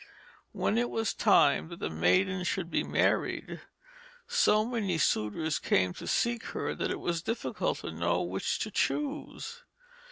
When it was time that the maiden should be married, so many suitors came to seek her that it was difficult to know which to choose.